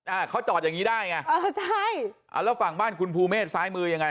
อ่าเขาจอดอย่างงี้ได้ไงเออใช่อ่าแล้วฝั่งบ้านคุณภูเมฆซ้ายมือยังไง